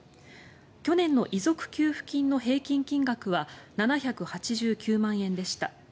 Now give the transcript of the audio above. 去年の遺族給付金の平均金額は７８９万円でした。